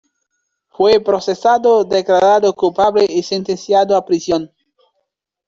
Fue procesado, declarado culpable y sentenciado a prisión.